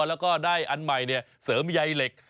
แล้วก็ได้อันใหม่เสริมใยเหล็ก